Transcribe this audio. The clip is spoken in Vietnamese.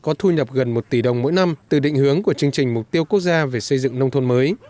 có thu nhập gần một tỷ đồng mỗi năm từ định hướng của chương trình mục tiêu quốc gia về xây dựng nông thôn mới